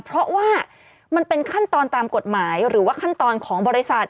เพราะว่ามันเป็นขั้นตอนตามกฎหมายหรือว่าขั้นตอนของบริษัท